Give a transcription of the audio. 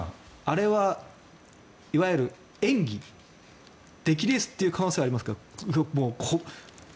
あれはいわゆる演技出来レースという可能性はありますか？